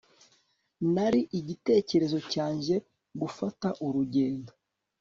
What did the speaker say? nari igitekerezo cyanjye gufata urugendo